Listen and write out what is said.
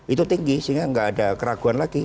itu tinggi sehingga nggak ada keraguan lagi